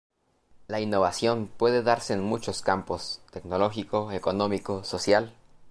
La innovación puede darse en muchos campos: tecnológico, económico, social.